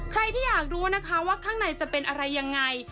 ใครที่อยากรู้นะคะว่าข้างในจะเป็นอะไรยังไง